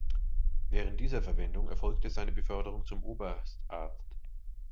Während dieser Verwendung erfolgte seine Beförderung zum Oberstarzt.